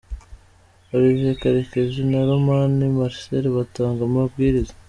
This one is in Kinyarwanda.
Olivier Karekezi na Lomami Marcel batanga amabwiriza.